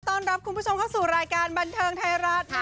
ต้อนรับคุณผู้ชมเข้าสู่รายการบันเทิงไทยรัฐค่ะ